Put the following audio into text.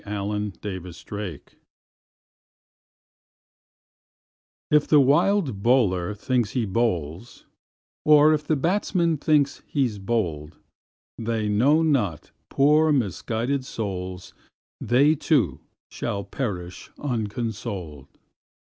Andrew Lang Brahma IF the wild bowler thinks he bowls, Or if the batsman thinks he's bowled, They know not, poor misguided souls, They too shall perish unconsoled.